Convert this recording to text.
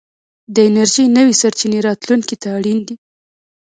د انرژۍ نوې سرچينې راتلونکي ته اړين دي.